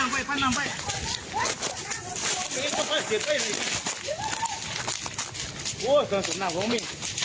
พันลำไป